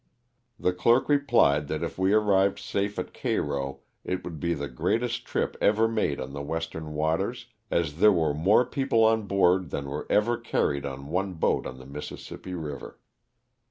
The clerk replied that if we arrived safe at Cairo it would be the greatest trip ever made on the western waters, as there were moro people on board than were ever carried on one boat on the Mississippi river.